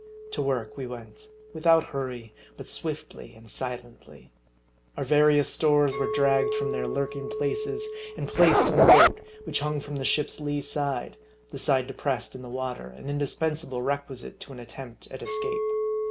To work we went, without hurry, but swiftly and si lently. Our various stores were dragged from their lurking places, and placed in the boat, which hung from the ship's lee side, the side depressed in the water, an indispensable requisite to an attempt at escape.